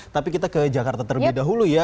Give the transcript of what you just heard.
tapi kita ke jakarta terlebih dahulu ya